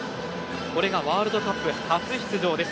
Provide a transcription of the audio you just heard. これがワールドカップ初出場です。